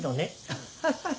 アッハハハ。